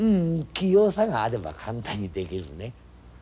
器用さがあれば簡単に出来るね。